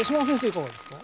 いかがですか？